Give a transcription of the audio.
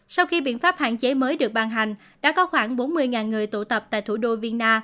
sau khi biện pháp hạn chế mới được ban hành đã có khoảng bốn mươi người tụ tập tại thủ đô vina